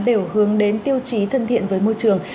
đều hướng đến tiêu chí thân thiện với môi trường